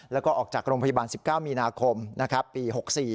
แล้วก็ออกจากโรงพยาบาล๑๙มีนาคมปี๖๔